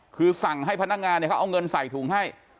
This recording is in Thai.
คือสั่งให้พนักงานเนี่ยเขาเอาเงินใส่ถุงให้